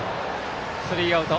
スリーアウト。